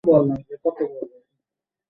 সবাইকে সন্দেহ করবে।